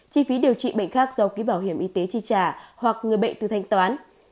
chi phí điều trị bệnh khác do ký bảo hiểm y tế chi trả hoặc người bệnh từ thanh toán